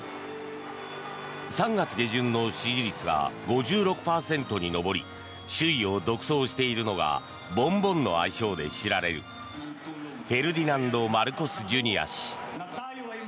３月下旬の支持率が５６％に上り首位を独走しているのがボンボンの愛称で知られるフェルディナンド・マルコス・ジュニア氏。